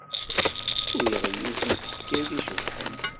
Uriɣ yiwet n teḥkayt icebḥen.